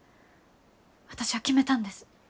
私は決めたんです。